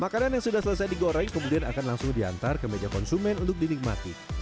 makanan yang sudah selesai digoreng kemudian akan langsung diantar ke meja konsumen untuk dinikmati